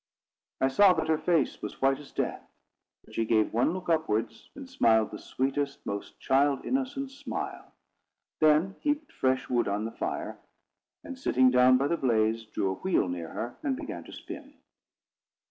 I saw that her face was white as death. But she gave one look upwards, and smiled the sweetest, most child innocent smile; then heaped fresh wood on the fire, and, sitting down by the blaze, drew her wheel near her, and began to spin.